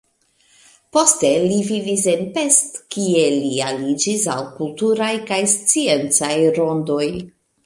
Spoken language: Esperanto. Poste li vivis en Pest, kie li aliĝis al kulturaj kaj sciencaj rondoj.